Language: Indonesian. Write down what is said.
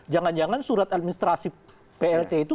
jangan jangan surat administrasi plt itu